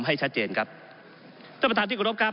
ก็ได้มีการอภิปรายในภาคของท่านประธานที่กรกครับ